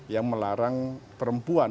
yang melarang perempuan